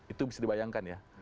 itu bisa dibayangkan ya